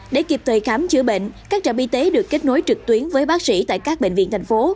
để kịp thời khám chữa bệnh các trạm y tế được kết nối trực tuyến với bác sĩ tại các bệnh viện thành phố